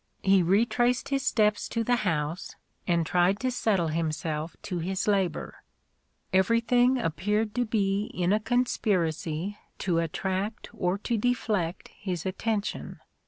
He retraced his steps to the house, and tried to settle himself to his labour. Everything appeared to be in a conspiracy to attract or to deflect his attention.